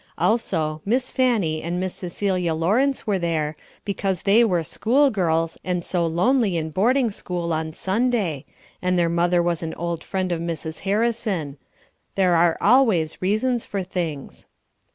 Also, Miss Fannie and Miss Cecilia Lawrence were there, because they were schoolgirls, and so lonely in boarding school on Sunday, and their mother was an old friend of Mrs. Harrison; there are always reasons for things.